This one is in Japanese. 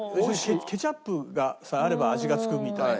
ケチャップさえあれば味が付くみたいな。